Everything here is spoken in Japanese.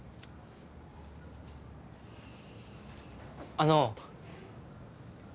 あの。